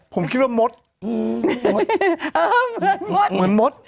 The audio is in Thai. ผมคิดว่ามดเหมือนมด